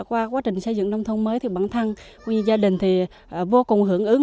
qua quá trình xây dựng nông thôn mới thì bản thân gia đình thì vô cùng hưởng ứng